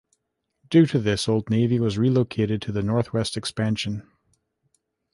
Due to this, Old Navy was relocated to the Northwest Expansion.